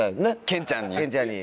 ケンちゃんに。